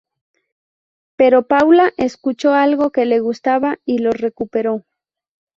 Pero Paula escuchó algo que le gustaba y lo recuperó.